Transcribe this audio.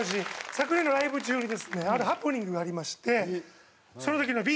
昨年のライブ中にですねあるハプニングがありましてその時のＢ